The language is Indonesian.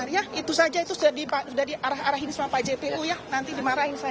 ya itu saja itu sudah diarah arahin sama pak jpu ya nanti dimarahin saya